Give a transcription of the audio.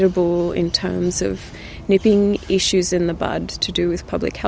dalam hal menghidupkan masalah di dalam keadaan publik